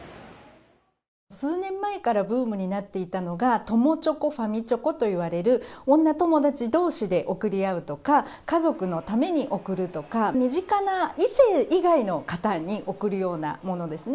数年前からブームになっていたのが友チョコ、ファミチョコといわれる、女友達同士で贈り合うとか、家族のために贈るとか、身近な異性以外の方に贈るようなものですね。